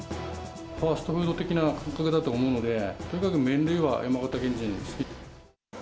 ファストフード的な感覚だと思うので、とにかく麺類は山形県人、好き。